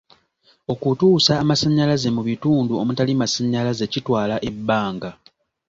Okutuusa amasannyalaze mu bitundu omutali masannyalaze kitwala ebbanga.